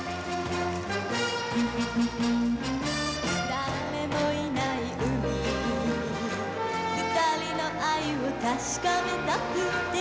「誰もいない海」「二人の愛を確かめたくて」